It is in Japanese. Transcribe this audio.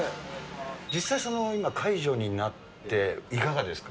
実際、今、解除になっていかがですか？